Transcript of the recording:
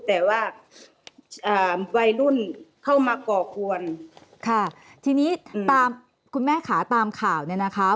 แต่ว่าวัยรุ่นเข้ามาก่อกวนค่ะทีนี้ตามคุณแม่ขาตามข่าวเนี่ยนะคะ